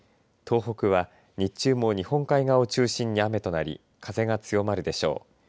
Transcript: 東北は日中も日本海側を中心に雨となり風が強まるでしょう。